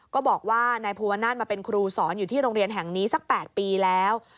ก็บอกว่านายภูวนาศมาเป็นครูสอนอยู่ที่โรงเรียนแห่งนี้สัก๘ปีแล้ว